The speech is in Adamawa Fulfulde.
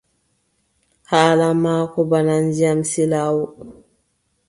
Haala maako bana ndiyam silaawo.